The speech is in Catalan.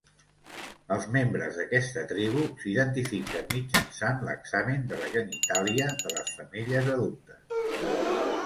Els membres d'aquesta tribu s'identifiquen mitjançant l'examen de la genitàlia de les femelles adultes.